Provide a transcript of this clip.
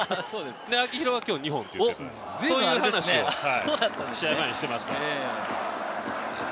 秋広は今日２本って、そういう話を試合前にしていました。